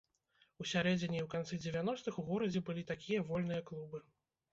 У сярэдзіне і ў канцы дзевяностых у горадзе былі такія вольныя клубы.